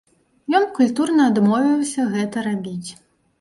Ён культурна адмовіўся гэта рабіць.